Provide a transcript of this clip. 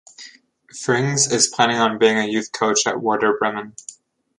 Frings is planning on being a youth coach at Werder Bremen.